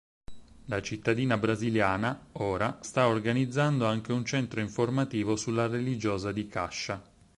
La cittadina brasiliana, ora, sta organizzando anche un centro informativo sulla religiosa di Cascia.